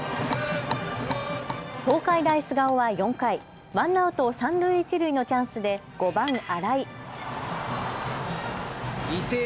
東海大菅生は４回、ワンアウト三塁一塁のチャンスで５番・新井。